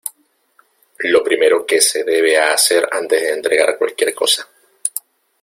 lo primero que se debe hacer antes de entregar cualquier cosa